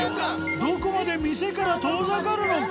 どこまで店から遠ざかるのか？